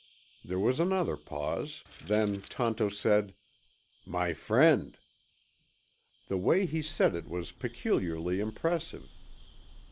There was another pause; then Tonto said, "My friend." The way he said it was peculiarly impressive.